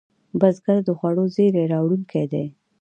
بزګر د خوړو زېری راوړونکی دی